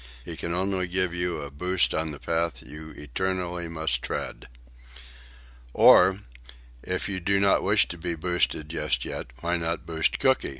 He can only give you a boost on the path you eternally must tread. "Or, if you do not wish to be boosted just yet, why not boost Cooky?